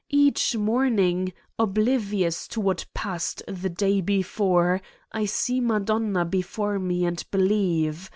Each morning, oblivious to what passed the day before, I see Madonna before me and believe.